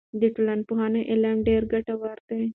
د ټولنپوهنې علم ډېر ګټور دی.